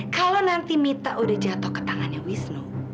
kalau nanti mita udah jatuh ke tangannya wisnu